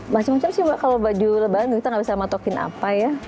macam macam sih mbak kalau baju lebaran kita nggak bisa matokin apa ya